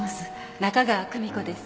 中川久美子です。